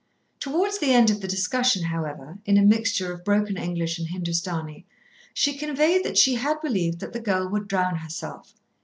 Towards the end of the discussion, however, in a mixture of broken English and Hindustani, she conveyed that she had believed that the girl would drown herself.